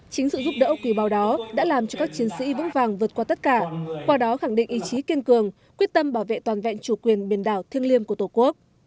chính sự giúp đỡ quý bào đó đã làm cho các chiến sĩ vững vàng vượt qua tất cả qua đó khẳng định ý chí kiên cường quyết tâm bảo vệ toàn vẹn chủ quyền biển đảo thiêng liêng của tổ quốc